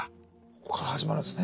ここから始まるんですね。